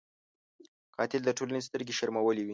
قاتل د ټولنې سترګې شرمولی وي